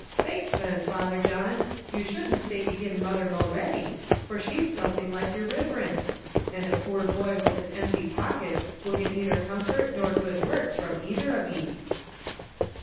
"Faix then, Father John, you shouldn't spake agin mother Mulready, for she's something like your riverence; and a poor boy with an empty pocket will get neither comfort nor good words from either of ye."